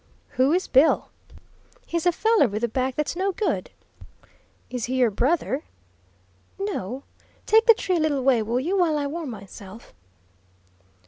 "Who is Bill?" "He's a feller with a back that's no good." "Is he your brother?" "No. Take the tree a little way, will you, while I warm myself?"